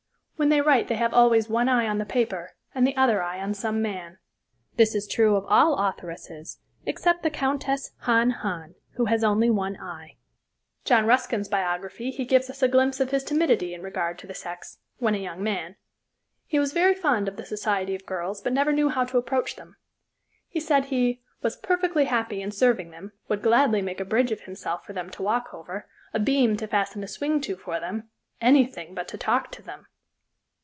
When they write they have always one eye on the paper and the other eye on some man. This is true of all authoresses except the Countess Hahn Hahn, who has only one eye." John Ruskin's biography he gives us a glimpse of his timidity in regard to the sex, when a young man. He was very fond of the society of girls, but never knew how to approach them. He said he "was perfectly happy in serving them, would gladly make a bridge of himself for them to walk over, a beam to fasten a swing to for them anything but to talk to them."